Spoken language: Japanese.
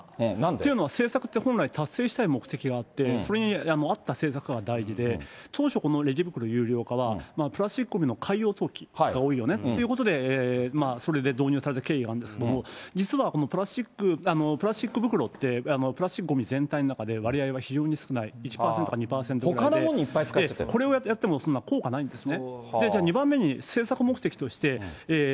っていうのは、政策って本来達成したい目的があって、それに合った政策が大事で、当初このレジ袋有料化は、プラスチックごみの海洋投棄が多いよねっていうことで、それで導入された経緯があるんですけれども、実はこのプラスチック袋って、プラスチックごみ全体の中で割合は非常に少ない、１％か２％ぐらほかのものにいっぱい使っちそれをやっても意味がないんですね。